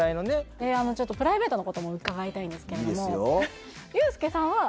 ちょっとプライベートのことも伺いたいんですけれどもいいですよ